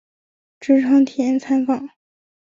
职场体验参访